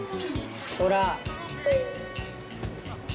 ほら！